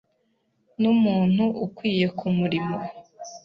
numuntu ukwiye kumurimo.